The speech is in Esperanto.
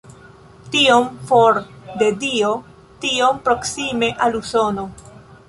Tiom for de Dio, tiom proksime al Usono".